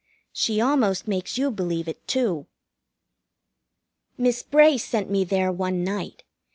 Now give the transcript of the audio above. She almost makes you believe it, too. Miss Bray sent me there one night.